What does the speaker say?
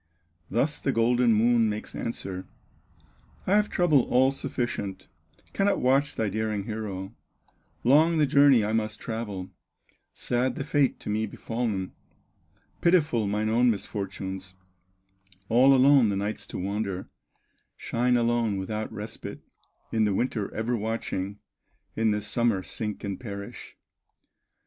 Thus the golden Moon makes answer: "I have trouble all sufficient, Cannot watch thy daring hero; Long the journey I must travel, Sad the fate to me befallen, Pitiful mine own misfortunes, All alone the nights to wander, Shine alone without a respite, In the winter ever watching, In the summer sink and perish."